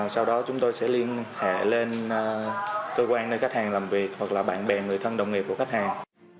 sau đó chúng tôi sẽ liên hệ lên cơ quan nơi khách hàng làm việc hoặc là bạn bè người thân đồng nghiệp của khách hàng